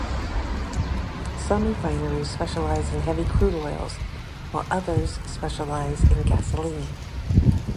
Some refineries specialize in heavy crude oils, while others specialize in gasoline.